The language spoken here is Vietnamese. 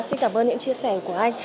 xin cảm ơn những chia sẻ của anh